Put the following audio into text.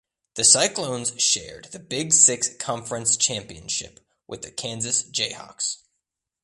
The Cyclones shared the Big Six conference championship with the Kansas Jayhawks.